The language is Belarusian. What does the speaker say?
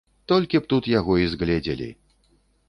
Толькі б тут яго й згледзелі.